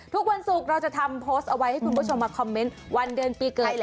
ทุกวันศุกร์เราจะทำโพสต์เอาไว้ให้คุณผู้ชมมาคอมเมนต์วันเดือนปีเกิด